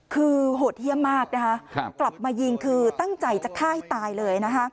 คือโหดเยี่ยมมากนะคะกลับมายิงคือตั้งใจจะฆ่าให้ตายเลยนะคะ